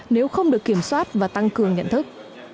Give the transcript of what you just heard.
nếu không được kiểm soát và tăng cường nhận thức